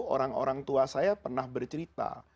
orang orang tua saya pernah bercerita